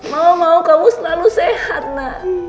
mau mau kamu selalu sehat nak